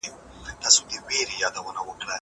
هغه څوک چي شګه پاکوي منظم وي!!